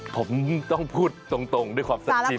ผมต้องพูดตรงด้วยความสักที